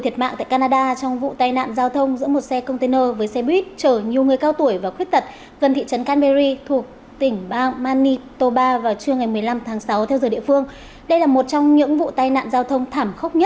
các bạn hãy đăng ký kênh để ủng hộ kênh của chúng mình nhé